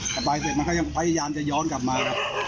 สบายเสร็จมันก็ยังพยายามจะย้อนกลับมาครับ